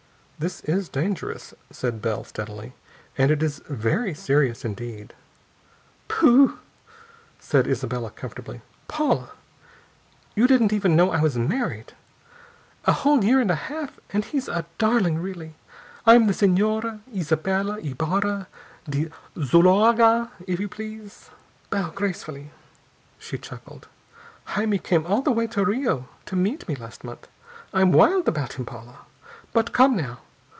"This is dangerous," said Bell, steadily, "and it is very serious indeed." "Pooh!" said Isabella comfortably. "Paula, you didn't even know I was married! A whole year and a half! And he's a darling, really. I'm the Señora Isabella Ybarra de Zuloaga, if you please! Bow gracefully!" She chuckled. "Jaime came all the way to Rio to meet me last month. I'm wild about him, Paula.... But come on!